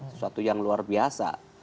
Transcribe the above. sesuatu yang luar biasa